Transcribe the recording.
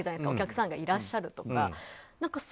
お客さんがいらっしゃったとか。